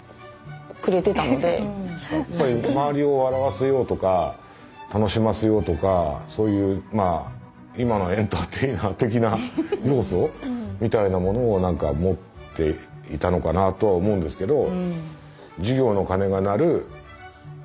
周りを笑わせようとか楽しませようとかそういう今のエンターテイナー的な要素みたいなものを持っていたのかなとは思うんですけど。